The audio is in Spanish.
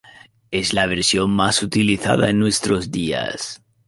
Es la versión más utilizada en nuestros días.